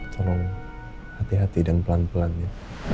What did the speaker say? tolong hati hati dan pelan pelan ya